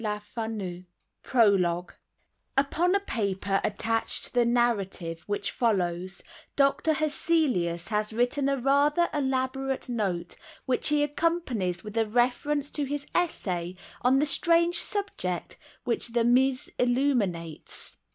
Conclusion PROLOGUE Upon a paper attached to the Narrative which follows, Doctor Hesselius has written a rather elaborate note, which he accompanies with a reference to his Essay on the strange subject which the MS. illuminates.